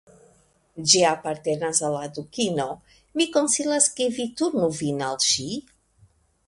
Ĝi apartenas al la Dukino; mi konsilas ke vi turnu vin al ŝi.